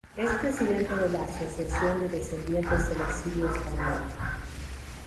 Es Presidenta de la Asociación de Descendientes del Exilio Español.